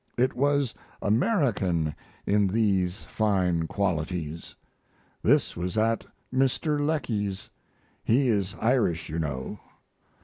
It was American in these fine qualities. This was at Mr. Lecky's. He is Irish, you know.